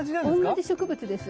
同じ植物です。